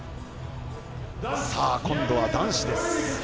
今度は男子です。